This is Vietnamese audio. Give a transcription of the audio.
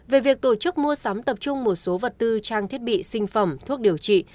về việc tổ chức mua sắm tập trung một số vật tư trang thiết bị sinh phẩm thuốc điều trị